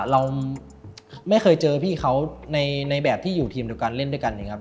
เราไม่เคยเจอพี่เขาในแบบที่อยู่ทีมเดียวกันเล่นด้วยกันอย่างนี้ครับ